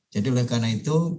jadi oleh karena itu